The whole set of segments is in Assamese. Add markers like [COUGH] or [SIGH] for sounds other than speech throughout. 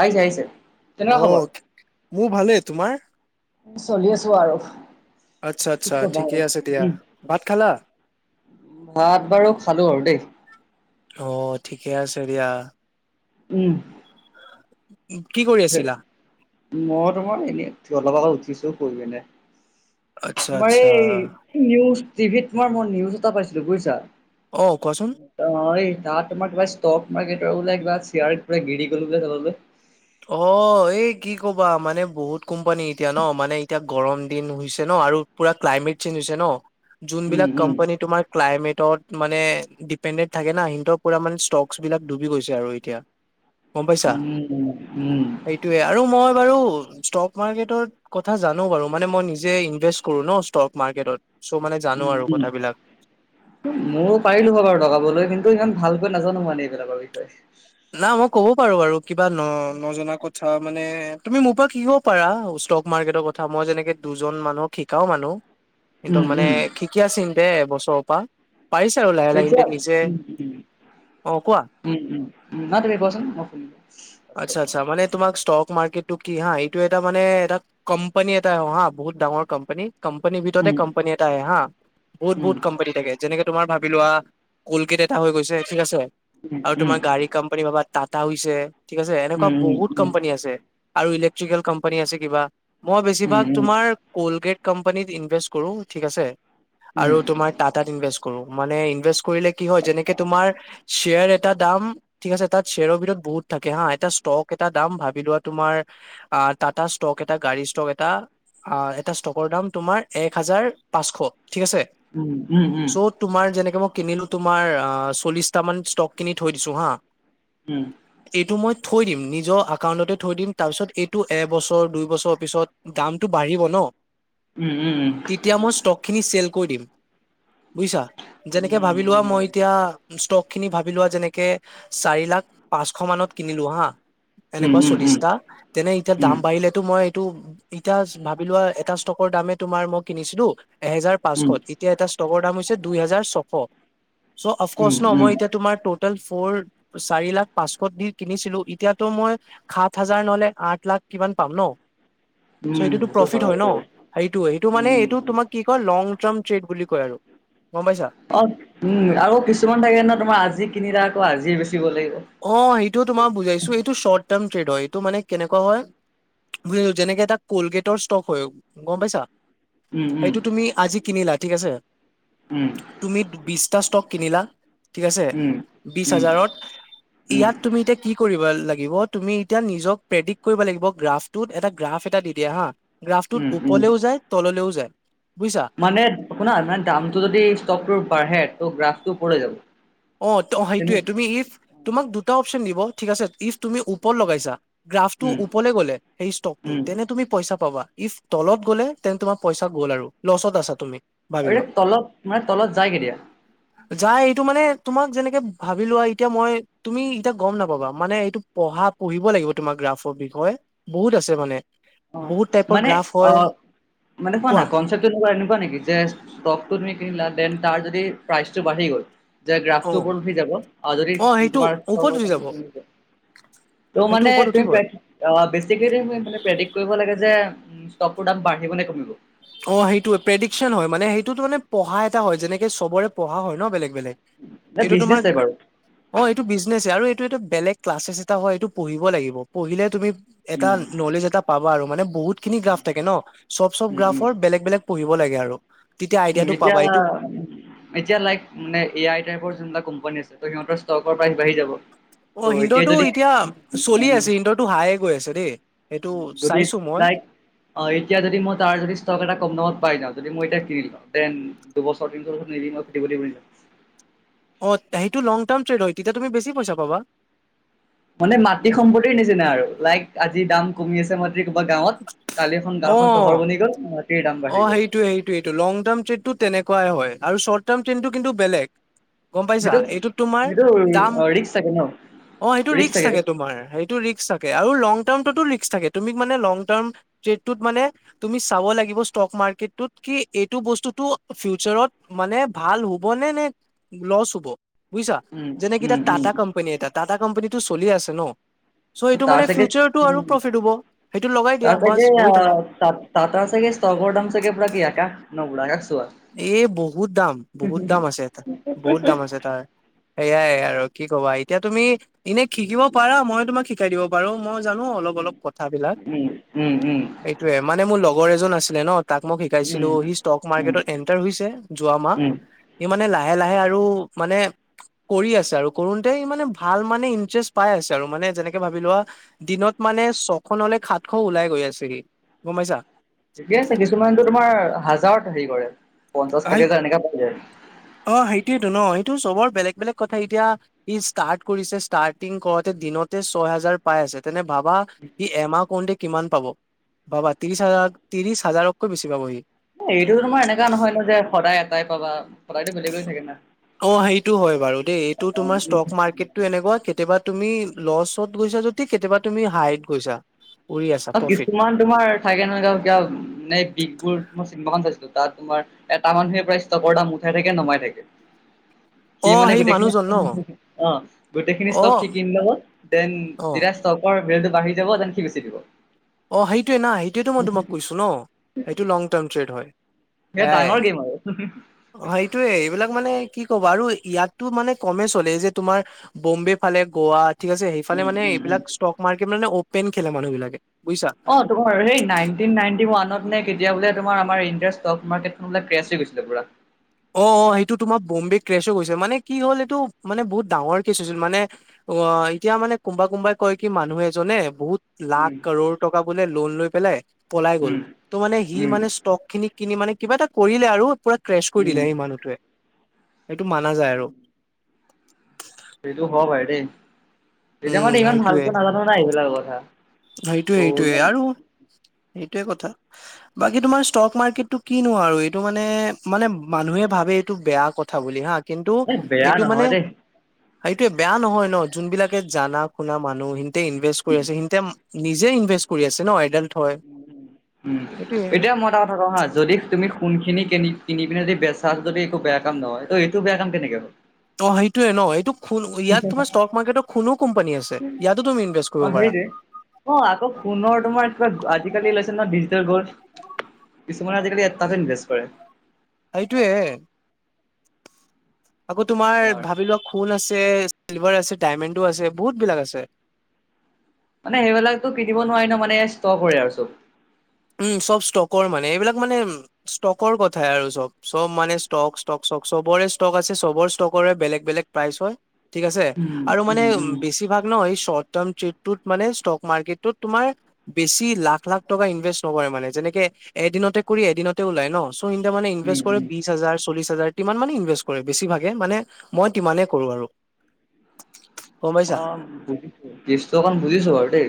আহিছে, আহিছে। কেনেকুৱা খবৰ? অ', মোৰ ভালে, তোমাৰ? চলি আছোঁ আৰু। আচ্ছা কি আচ্ছা কবা ঠিকে আৰু আছে দিয়া, উম। ভাত খালা? ভাত বাৰু খালো আৰু দেই। কেতিয়া? উম, কি কৰি আছিলা? মই তোমাৰ এনে, অলপ আগত উঠিছো পাঢ়ি পিনে। আচ্ছা মই আচ্ছা, এই নিউজ টিভিত তোমাৰ মই নিউজ এটা পাইছিলোঁ, বুজিছা। অ', কোৱাচোন? [UNINTELLIGIBLE] তাত তোমাৰ কিবা ষ্ট ষ্টক মাৰ্কেটৰ বোলে কিবা শ্বেয়াৰ পুৰা গিৰি গল বোলে তললৈ। অ', এই কি ক'বা মানে বহুত কোম্পানী এতিয়া ন মানে এতিয়া গৰম দিন হৈছে ন আৰু পুৰা ক্লাইমেট চেঞ্জ হৈছে ন, উম যোনবিলাক উম। কোম্পানী তোমাৰ ক্লাইমেটৰ মানে দিপেন্দেট থাকে না, সিহঁতৰ পুৰা মানে ষ্টকচ বিলাক ডুবি গৈছে আৰু এতিয়া। গম পাইছা, উম উম উম। সেইটোৱে আৰু মই বাৰু ষ্টক মাৰ্কেটৰ কথা জানো বাৰু মানে মই নিজে ইনভেষ্ট কৰো ন ষ্টক মাৰ্কেটত। চ' মানে জানো উম, আৰু কথাবিলাক উম, ময়ো পাৰিলো হয় বাৰু লগাবলৈ কিন্তু ইমান ভাল ভালকৈ নাজানো মানে এইবিলাকৰ বিষয়ে। না মই ক'ব পাৰো বাৰু কিবা ন নজনা ক আচ্ছা মানে তুমি মোৰ পৰা শিকিব পাৰা ষ্টক মাৰ্কেটৰ কথা, মই যেনেকে দুজন মানুহক শিকাও মানু কিন্তু উম মানে উম। শিকী আছে সিহঁতে এবছৰৰ পৰা পাৰিছে আৰু লাহে লাহ তেতিয়া সিহঁতে নিজে উম উম। অ', কোৱা উম, উম, উম, নহয় তুমি কোৱাচোন মই শুনিলো। আচ্ছা আচ্ছা মানে তোমাক ষ্টক মাৰ্কেটটো কি হা এইটো এটা মানে এটা কম্পানী এটা আৰু হা বহুত ডাঙৰ কম্পানী কম্পানীৰ ভিতৰতেই উম, কম্পানী এটা আহে হা বহুত উম, বহুত কম্পানী থাকে যেনেকে তোমাৰ ভ বি লোৱা কলগেট এটা হৈ গৈছে ঠিক আছে উম, উম, বা টাটা হৈছে ঠিক আছে এনেকুৱা উম, উম, বহুত উম, কোম্পানী আছে আৰু ইলেক্ট্ৰিকেল কোম্পানী আছে কিবা মই উম, উম, বেচিভাগ উম, তোমাৰ কলগেট কোম্পানীত ইনভেষ্ট কৰো ঠিক আছে আৰু তোমাৰ টাটাত ইনভেষ্ট কৰো, মানে ইনভেষ্ট কৰিলে কি হয় যেনেকে তোমাৰ চেয়াৰ এটা দাম ঠিক আছে তাত শ্বেয়ৰৰ ভিতৰত বহুত থাকে হা এটা ষ্টক এটা দাম ভাবি লোৱা তুমাৰ টাটা ষ্ট ষ্টক এটা গাড়ী ষ্টক এটা এটা ষ্টকৰ দাম তোমাৰ এক হাজাৰ পাঁচশ ঠিক আছে উম, উম, উম, উম, উম, উম, উম, উম, উম, উম, উম, চ' তোমাৰ যেনেকে মোক কিনিলোঁ তোমাৰ চল্লিছটা মান ষ্টক কিনি থৈ দিছো হা এইটো মই কে থৈ দিম নিজৰ একাউন্টতে থৈ দিম তাৰপিছত এইটো এবছৰ, দুই বছৰ পিছত দামটো বাঢ়িব ন তেতিয়া মই ষ্টকখিনি চেল কৰি দিম বুজিছা যেনেকে ভাবি লোৱা মই এতিয়া ষ্টক খিনি ভাবি লোৱা যেনেকে চাৰি লাখ পাঁচশ মানত কিনিলো হা এনেকুৱা চল্লিছটা উম, তেনে এতিয়া দাম বাঢ়িলেতো মই টো এতিয়া ভাবি লোৱা এটা ষ্টকৰ দামে তোমাৰ মই কিনিছিলো এহেজাৰ পাঁচশ, উম, এতিয়া এটা ষ্টকৰ দাম হৈছে দুই হেজাৰ ছশ চ' অফকৰ্চ ন উম, মই এতিয়া তোমাৰ টটেল ফৰ চাৰি লাখ পাঁচশ দি কিনিছিলোঁ, এতিয়াতো মই সাত হাজাৰ নহলে আঠলাখ কিমান পাম নহ চ ' উম, এইটোতো সেইটো প্ৰফিট হয় নহ, দেই, সেইটোৱে সেইটো মানে এইটো উম। তোমাৰ কি কৈ লং ট্ৰাম্প ট্ৰেড বুলি কয় আৰু গম পাইছা অ' উম আৰু কিছুমান থাকে ন তোমাৰ আজি কিনিলা আকৌ আজি অ' সেইটো তোমাৰ বুজাইছো এইটো শৰ্ট টাৰ্ম- ড হয় এইটো মানে কেনেকুৱা হয় যেনেকে এটা কলগেটৰ ষ্টক হয় গম পাইছা উম, উম, সেইটো তুমি আজি কিনিলা ঠিক আছে উম, তুমি বিছটা ষ্টক কিনিলা ঠিক আছে উম, বিছ উম, হাজাৰত উম, ইয়াত তুমি এতিয়া কি কৰি ৰিব লাগিব তুমি এতিয়া নিজক প্ৰেডিক কৰিব লাগিব গ্ৰাফটোত এটা গ্ৰাফ এটা দি দিয়ে হা গ্ৰাফটোত উম, উম। উপলেও যায় তললৈও যায় বুজিছা মানে শুনা মানে দামটো যদি ষ্টকটোৰ বাঢ়ে ত' গ্ৰাফটো ওপৰলে যাব অ' তেনে সেইটোৱে উম তুমি ইফ তোমাক দুটা অপচন দিব ঠিক আছে ইফ তুমি ওপৰ লগাইছা গ্ৰাফ টো ওপৰলে গ'লে সেই ষ্টক টো উম তেনে তুমি পইচা পাবা ইফ তলত গ'লে তেন্ত তোমাৰ পইচা গ'ল আৰু লচত আছা তুমি ভাবি আৰু লোৱা এ তলত মানে তলত যায় কেতিয়া? যায় এইটো মানে তোমাক যেনেকে ভাবি লোৱা এতিয়া মই তুমি এতিয়া গম নাপাবা মানে এইটো পঢ়া পঢ়িব লাগিব তোমাক গ্ৰাফৰ বিষয়ে বহুত আছে মানে অ' বহুত টাইপৰ মানে গ্ৰাফ অ হয় মানে কোৱা না কনচেপটো তোমাৰ এনেকুৱা নেকি যে ষ্ট তুমি কিনিলা দেন তাৰ যদি প্ৰাইচটো বাঢ়ি গ'ল যে অ গ্ৰাফটো ওপৰত উঠি যাব আৰু যদি অ সেইটো তোমাৰ ওপৰত উঠি যাব ত' সেইটো মানে ওপৰত তুমি উঠিবই প্ৰে অ বেছিকেমানে প্ৰেডিক কৰিব লাগে যে ষ্টকতোৰ দাম বাঢ়িব নে কমিব অ' সেইটোৱে প্ৰেডিকশন হয় মানে সেইটোতো মানে পঢ়া এটা হয় যেনেকে চবৰে পঢ়া হয় ন বেলেগ এইটো বিজনেছ তোমাৰ টাইপ আৰু অ এইটো বিজনেছ এ আৰু বেলেগ ক্লাছেছ এটা হয় এইটো পঢ়িব লাগিব পঢ়িলে তুমি এটা উম নলেজ এটা পাবা আৰু। মানে বহুত খিনি গ্ৰাফ থাকে ন চব চব উম গ্ৰাফ উম বেলেগ বেলেগ পঢ়িব লাগে আৰু। আইডিয়াটো এতিয়া পাবা এইটো এতিয়া লাইক মানে এ আইটাইপৰ যোনবিলাক কোম্পানী আছে। সিহঁতৰ ষ্টকৰ প্ৰাইচ বাঢ়ি যাব। ত' অ এতিয়া সিন্দৰটো যদি এতিয়া চলি উম, আছে সিন্দৰটো হায়ে গৈ আছে দেই সেইটো যদি চাইছো মই। লাইক অ এতিয়া যদি মই তাৰ যদি ষ্টক এটা কম দামত পাই যাওঁ। যদি মই এতিয়া কিনিলওঁ দেন দুবছৰ তিন বছৰ নিলি মই সুধিব লাগিব নেকি। অ' সেইটো লং টাৰ্ম ট্ৰেড হয় তেতিয়া তুমি বেছি পইচা পাবা। মানে মাটি সম্পত্তিৰ নিচিনা আৰু লাইক আজি দাম কমি আছে মানে কিবা গাঁৱত কালি এখন অ গাওখন চহৰ বনি গ'ল। দাম অ বাঢ়ি গ'ল সেইটোয়ে সেইটোয়েইটো লং টাৰ্ম ট্ৰেডো তেনেকুৱাই হয়। আৰু শৰ্ট টাৰ্ম ট্ৰেইনটো কিন্তু বেলেগ গম পাইছা সেইটো এইটোত তোমাৰ সেইটো দাম ৰিক্স থাকে ন অ সেইটো ৰিক্ক থাকে তোমাৰ সেইটো ৰিক্ক থাকে আৰু লং টাৰ্মটোতো ৰিক্ক ৰিস্ক থাকে তুমি মানে লং টাৰ্ম ট্ৰেতটোত মানে তুমি চাব লাগিব। ষ্টক মাৰ্কেটটোত কি এইটো বস্তুতো ফিউচাৰত মানে ভাল হ'ব নে নে লচ হব বুজিছা উম যেনেকে উম এটা উম টাটা কোম্পানী এটা, টাটা কোম্পানীটো চলি আছে ন। চ' এইটো তাৰ মানে চাগে ফিউচাৰটো আৰু উম, প্ৰফিট হ'ব সেইটো লগাই দিয়া তাৰ বাছ চাগে আ, বহি থাকা টা টাটাৰ চাগে ষ্টকৰ দাম চাগে পুৰা গিৰাকা নহ গুৰাগাজ। এ বহুত দাম, বহুত দাম আছে এটা বহুত দাম আছে তাৰ সেয়াই আৰু। কি ক'বা এতিয়া তুমি এনে শিকিব পাৰা মই তোমাক শিকাই দিব পাৰো মই জানো অলপ উম অলপ কথা বিলাক উম উম উম এইটোয়ে মানে মোৰ লগৰ এজন আছিলে ন তাক মই শিকাইছিলো উম সি ষ্টক উম স্মাৰ্ট এন্টাৰ হৈছে যোৱা মাহ। উম সি মানে লা লাহে লাহে আৰু মানে। কৰি আছে আৰু কৰোতে মানে ভাল মানে ইন্টাৰেষ্ট পাই আছে আৰু মানে যেনেকে ভাবি লোৱা দিনত। মানে ছশ নহলে খাত খ ওলাই গৈ আছেহি গম পাইছা। [UNINTELLIGIBLE] পঞ্চাছ ষাতি সেই হাজাৰ এনেকে পাই যায়। অ', সেইটোয়েটো ন সেইটো চবৰ বেলেগ বেলেগ কথা এতিয়া ই ষ্টাৰ্ট কৰিছে ষ্টাৰ্টিং কৰতে দিনতে ছয় হাজাৰ পাই আছে তেনে ভাবা সি এমাহ কৰোতেই কিমান পাব? ভাবা ত্ৰিশ হাজাৰ ত্ৰিশ হাজাৰকৈ বছি পাব সি। এইটো তোমাৰ এনেকা নহয় ন যে সদায় এটাই পাবা। সদায়তো বেলেগ বেলেগ থাকে না। অ', সেইটো হয় বাৰু দেই এইটো অ তোমাৰ উম। ষ্টক মাৰ্কেটটো এনেকুৱা কেতিয়াবা তুমি লচত গৈছা যদি কেতিয়াবা তুমি হাইত গৈছা। উৰি আছা অ', প্ৰফিট কিছুমান তোমাৰ থাকে নহয় ক কিয়া নে বিষবোৰ ত' চিনেমাখন চাইছিলোঁ। তাত তোমাৰ এটা মানুহে প্ৰায় ষ্টকৰ দাম উঠাই থাকে নমাই থাকে। অ সি মানে সেই গোটেইখিনি মানুহজন ন অ', গোটেইখিনি অ ষ্টক সি কিনি লব দেন অ যেতিয়া ষ্টকৰ ৰেটটো বাঢ়ি যাব যেনন সি বেচি দিব। অ', সেইটোৱে না সেইটোৱেতো মই তোমাক কৈছো ন সেইটো লং টাৰ্ম ট্ৰেড হয়। বিৰাট সেয়াই ডাঙৰ গেম আৰু অ', সেইটোয়ে এইবিলাক মানে কি ক'ব আৰু ইয়াতো মানে কমেই চলে যে তোমাৰ বম্বে ফালে গোৱাত ঠিক আছে সেইফালে উম মানে উম উম এইবিলাক ষ্টক মাৰ্কেট মানে অ'পন খেলে মানুহ বিলাকে। বুজিছা অ', তোমাৰ এ নাইনটিন নাইনটিন ওৱানত নে কেতিয়া বোলে তোমাৰ আমাৰ ইণ্ডিয়াৰ ষ্টক মাৰ্কেটখন বোলে ক্ৰছ হৈ গৈছিলে পুৰা। অ', অ', সেইটো তোমাৰ বম্বে ক্ৰেছহৈ গৈছে মানে কি হ'ল এইটো মানে বহুত ডাঙৰ কেছ হৈছিল মানে অ', এতিয়া মানে কোনোবা কোনবাই কয় কি মানুহ এজনে বহুত লাখ উম কৰৰ টকা বোলে লোন লৈ পেলাই পলাই গ'ল উম ত' মানে সি উম মানে ষ্টক খিনিক কিনি মানে কিবা এটা কৰিলে আৰু পুৰা ক্ৰেছ কৰি দিলে উম সেই মানুহটোৱে। সেইটো মানা যায় আৰু। উম সেইটো হব পাৰে দেই, তেতিয়া উম মানে ইমান ভালকে নাজানো না এইবিলাক কথা। সেইটোৱে ত' সেইটোৱে ইমান আৰু সেইটোয়ে কথা বাকী তোমাৰ ষ্টক মাৰ্কেটটো কিনো আৰু এইটো মানে মানে মানুহে ভাবে এইটো বেয়া কথা বুলি হা কিন্তু এ বেয়া এইটো মানে নহয় দেই। সেইটোয়ে বেয়া নহয় ন যোন বিলাকে জানা শুনা মানুহ সিহঁতে ইনভেষ্ট কৰি আছে সিহঁতে নিজে ইনভেষ্ট কৰি আছে ন এডাল্ট সেইটোয়ে এতিয়া মই এটা কথা কওঁ হা যদি তুমি সোণখিনি কিনি কিনি পিনে যদি বেচা যদি একো বেয়া কাম নহয় এইটো বেয়া কাম কেনেকে হয়? ত' সেইটোয়ে ন এইেটো ইয়াত তোমাৰ ষ্টক মাৰ্কেটৰ কোনো কোম্পানী আছে ইয়াতো তুমি ইনভেষ্ট অ', কৰিব পাৰা। সেইটোৱে। অ', আকৌ সুনৰ তোমাৰ কিবা আজিকালি ল ডিজিটেল গলড কিছুমানে আজিকালি এটাতে ইনভেষ্ট কৰে। সেইটোৱে। আকৌ তোমাৰ ভাবি লোৱা খোন আছে চিলভাৰ আছে ডাইমেণ্ডো আছে বহুত বিলাক আছে। মানে সেইবিলাকটো পিন্ধিব নোৱাৰি ন মানে ষ্টক আৰু চব। উম চব ষ্টকৰ মানে এইবিলাক মানে ষ্টকৰ কথাই আৰু চব চব মানে ষ্টক ষ্টক চবৰে ষ্টক আছে চবৰ ষ্টকৰে বেলেগ বেলেগ প্ৰাইচ হয় ঠিক আছে উম, আৰু মানে উম, উম, বেছিভাগ ন প্ৰথম ছেটটোত মানে ষ্টক মাৰ্কেটোত তোমাৰ বেছি লাখ লাখ টকা ইনভেষ্ট কৰে মানে যেনেকে এদিনতে কৰি এদিনতে ওলাই ন ইণ্ডিয়া মানে উম, ইনভেষ্ট কৰে উম, বিশ হাজাৰ চল্লিছ হাজাৰ তিমান মানে ইনভেষ্ট কৰে বেছিভাগে মানে মই টিমানে কৰো আৰু গম পাইছা মই বুজিছো ষ্টকান বুজিছো বাৰু দেই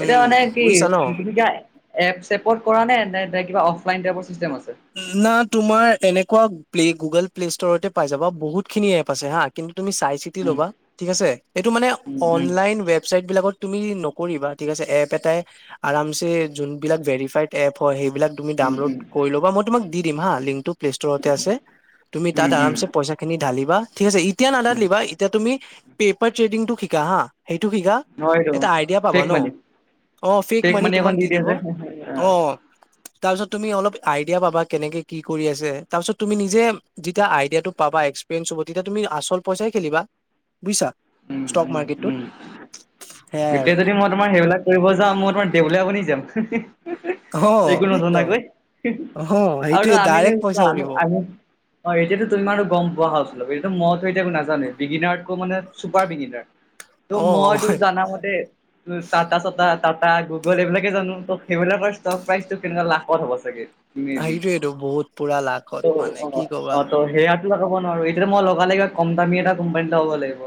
এতিয়া উম মানে কি বুজিছা ন তুমি কিবা এপ চেপত কৰা নে নে এ কিবা অফলাইন টাইপৰ চিষ্টেম আছে? না তোমাৰ এনেকুৱা প্লে গুগল প্লে' ষ্ট'ৰতে পাই যাবা বহুতখিনি এপ আছে হা কিন্তু তুমি চাই চিতি উম, ল'বা ঠিক আছে এইটো মানে উম, উম, অনলাইন ৱেবচাইট বিলাকত তুমি নকৰিবা ঠিক আছে এপ এটাই আৰামছে যোনবিলাক ভেৰিফাইড এপ হয় সেই এইবাক তুমি উম, ডাউনলোড উম, কৰি লব মই তোাক দিম হা লিংকটো। প্লে ষ্ট'ৰতেই আছে, তুমি তাত উম, উম। আৰামছে পইচা খিনি ঢালিবা ঠিক আছে এতিয়া নাঢালিবা এতিয়া তুমি পেপাৰ ট্ৰেডিংটো শিকা হা সেইটো কি গা অ' এইটো এটা আইডিয়া পাবা ফেক ন? মানি অ ফেক মানি এখন তোমাক দি দিয়ে দিব, যে অ অ তাৰপিছ তুমি অলপ আই পাবা কেনেকে কি কৰি আছে, তাৰপিছত তুমি নিজে যেতিয়া আইডিয়াটো পাবা এক্সপ্ৰিইঞ্চ হব তেতিয়া তুমি আছ আচল পইচাই খেলিবা। বুজিছা উম ষ্টক উম মাৰ্কেটটোত উম। সেয়াই আৰু এতিয়া যদি মই তোমাৰ সেইবিলাক কৰিব যাওঁ, মই তোমাৰ দেউলীয়া বনি যাম। অ একো একদম নাজানাকৈ, অ আৰুতো সেইটোয়ে আমিনো ডাইৰেক্ট পইচা আমি উৰিব আমি অ এতিয়াতো তুমি আৰু গম পোৱা হল কিন্তু মইতো এতিয়া নাজানোৱে, বিগিনাৰকো মানে চুপাৰ বিগিনাৰ। ত অ মই তোৰ জানামতে তোৰ টাটা চটা টাটা গুগল এইবিলাকে জানো ত' সেইবিলাকৰ ষ্টক প্ৰাইচটো কেনেকুৱা লাখত হ'ব চাগে। [INAUDIBLE] সেইটোয়েতো বহুত পুৰা লাখত মানে কি কবা অঁ ত সেয়াটো ব নোৱাৰো, এতিয়াটো মই লগালে কিবা কম দামী এটা কোম্পানীত লগাব লাগিব।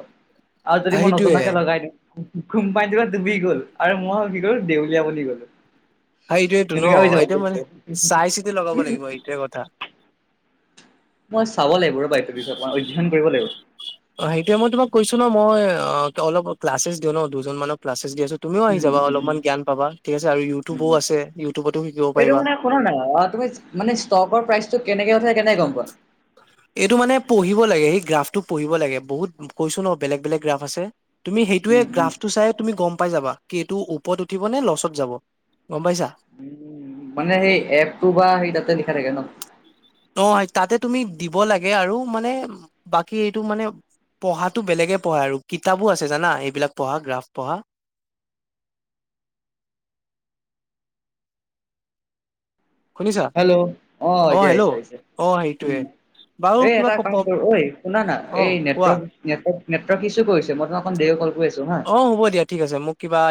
আৰু যদি মই সেইটোয়ে নজনাকে লগাই দিওঁ, কোম্পানীটো ডুবি গল আৰু মই কি কৰলো, দেউলীয়া বনি গলোঁ। হয় এইটোৱেইটো ন এইটো মানে চাই চিতি লগাব লাগিব এইটোৱে কথা। মই চাব লাগিব ৰবা এইটো বিষয়ে, অধ্যন কৰিব লাগিব। অ সেইটোয়ে মই তোমাক কৈছো ন মই অঁ অলপ ক্লাছেচ দিওঁ ন, দুজনমানক ক্লাছেচ ছ তুমিও আহি উম যাবা, উম উম অলপমান জ্ঞান পাবা ঠিক আছে আৰু ইউ এইটো মানে শুনা না তুমি মানে ষ্টকৰ প্ৰাইচটো কেনেকে উঠে কেনেকে গম পোৱা? এইটো মানে পঢ়িব লাগে সেই গ্ৰাফটো পঢ়িব লাগে বহুত কৈছো ন বেলেগ বেলেগ গ্ৰাফ আছে। তুমি সেইটোৱে উম উম গ্ৰাফটো চাই তুমি গম পাই যাবা কি এইটো ওপৰত উঠিব নে লচত যাব। গম পাইছা উ মানে সেই এপটো বা সেই তাতে লিখা থাকে ন? অ তাতে তুমি দিব লাগে আৰু মানে বাকী এইটো মানে পঢ়াটো বেলেগে পঢ়া আৰু কিতাপো আছে জানা এইবিলাক পঢ়া গ্ৰাফ পঢ়া। [UNINTELLIGIBLE] শুনিছা হেল্ল' অঁ অ এতিয়া হেল্ল' আহিছে আহিছে অ সেইটোৱে উম বাৰু এ কিবা এটা ক কাম প- কৰো ঐ শুনা না অ এই কোৱা নেটৱৰ্ক নেটৰ্ক নেটৱৰ্ক ইচু কৰিছে, মই তোমাক অকণ দেৰিকৈ ক্ - - অ হ'ব দিয়া ঠিক আছে মোক কিবা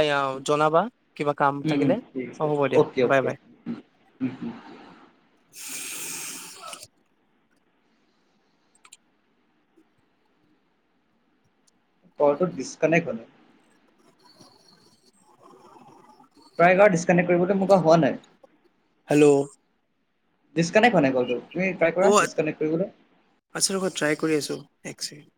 জনাবা। কিবা কাম উম উম থাকিলে ঠিক অ আছে হ'ব দিয়া অ'কে বাই অ'কে বাই। [UNINTELLIGIBLE] কলটো ডিচকানেক্ট হল প্ৰায়গৰ ডিচকানেক্ট কৰিবলৈ মোৰ পৰা হোৱা নাই। হেল্ল' দিছকানেক হোৱা নাই কলটো। তুমি ট্ৰাই কৰা অ', আ, ডিচকানেক্ট কৰিবলৈ আছে ৰবা ট্ৰাই কৰি আছোঁ এক চেকেণ্ড।